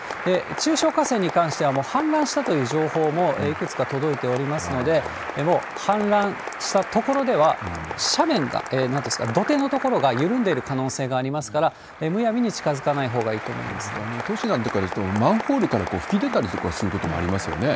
中小河川に関しては、もう氾濫したという情報もいくつか届いておりますので、もう氾濫した所では、斜面が、なんていうんですか、土手の所が緩んでいる可能性がありますから、むやみに近づかない都市なんかですと、マンホールから噴き出たりとかすることもありますよね。